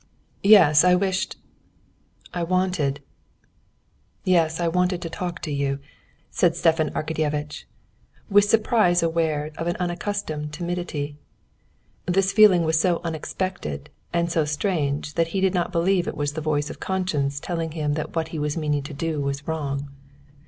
"Yes, I wished ... I wanted ... yes, I wanted to talk to you," said Stepan Arkadyevitch, with surprise aware of an unaccustomed timidity. This feeling was so unexpected and so strange that he did not believe it was the voice of conscience telling him that what he was meaning to do was wrong.